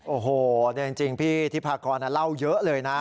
โอ้โหจริงพี่ทิพากรเล่าเยอะเลยนะ